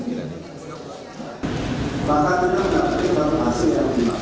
maka dengan hati hati kita akan berhasil